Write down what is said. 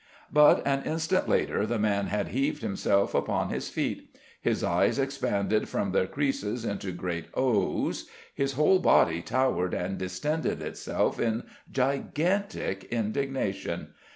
But an instant later the man had heaved himself upon his feet; his eyes expanded from their creases into great O's; his whole body towered and distended itself in gigantic indignation.